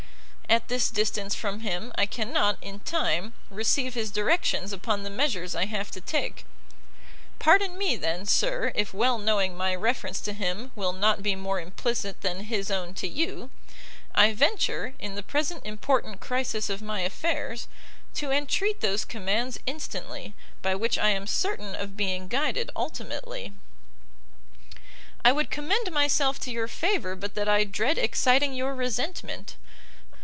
At this distance from him, I cannot, in time, receive his directions upon the measures I have to take; pardon me then, Sir, if well knowing my reference to him will not be more implicit than his own to you, I venture, in the present important crisis of my affairs, to entreat those commands instantly, by which I am certain of being guided ultimately. I would commend myself to your favour but that I dread exciting your resentment.